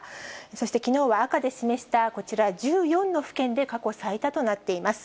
そしてきのうは赤で示した、こちら、１４の府県で過去最多となっています。